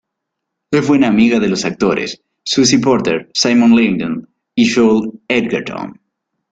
Es buena amiga de los actores Susie Porter, Simon Lyndon y Joel Edgerton.